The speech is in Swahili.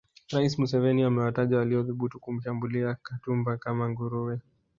Rais Museveni amewataja waliothubutu kumshambulia Katumba kama nguruwe